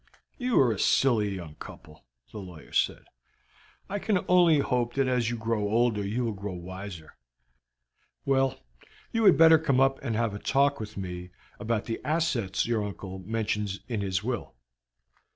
"You are a silly young couple," the lawyer said. "I can only hope that as you grow older you will grow wiser. Well, you had better come up and have a talk with me about the assets your uncle mentions in his will."